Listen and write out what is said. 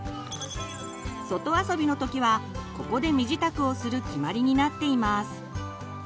外遊びの時はここで身支度をする決まりになっています。